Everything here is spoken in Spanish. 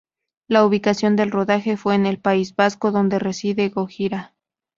La ubicación del rodaje fue en el País Vasco, donde reside Gojira.